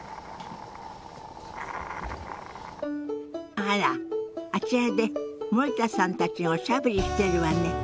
あらあちらで森田さんたちがおしゃべりしてるわね。